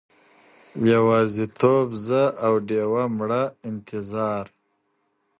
يوازيتوب زه، او ډېوه مړه انتظار